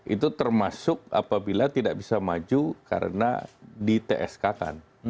itu termasuk apabila tidak bisa maju karena di tsk kan